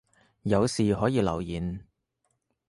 有事可以留言